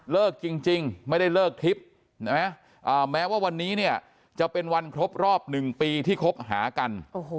เลิกจริงไม่ได้เลิกทริปแม้ว่าวันนี้จะเป็นวันครบรอบ๑ปีที่ครบหากัน